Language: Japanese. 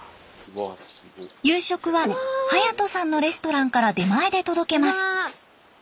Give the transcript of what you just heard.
夕食は勇人さんのレストランから出前で届けます。